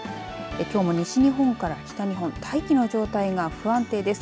きょうも西日本から北日本大気の状態が不安定です。